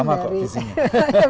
sama kok visinya